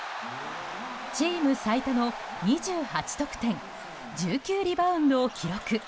チーム最多の２８得点１９リバウンドを記録。